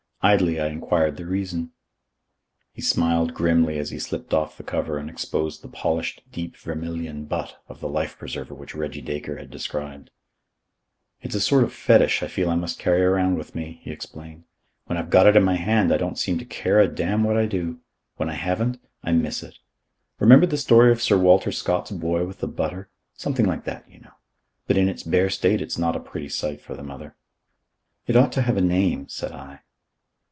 Idly I enquired the reason. He smiled grimly as he slipped off the cover and exposed the polished deep vermilion butt of the life preserver which Reggie Dacre had described. "It's a sort of fetish I feel I must carry around with me," he explained. "When I've got it in my hand, I don't seem to care a damn what I do. When I haven't, I miss it. Remember the story of Sir Walter Scott's boy with the butter? Something like that, you know. But in its bare state it's not a pretty sight for the mother." "It ought to have a name," said I.